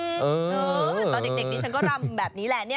ตอนเด็กนี้ฉันก็ลำแบบนี้แหละเนี่ย